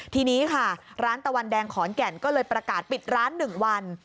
ทีนี้ค่ะร้านตะวันแดงขอนแก่นก็เลยประกาศปิดร้าน๑วัน